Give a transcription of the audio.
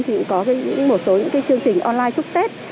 thì cũng có một số những cái chương trình online chúc tết